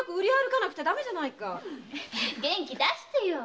元気だしてよ。